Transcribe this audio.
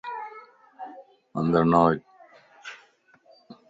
اندر نه وڃ